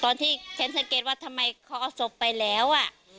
ที่ฉันสังเกตว่าทำไมเขาเอาศพไปแล้ว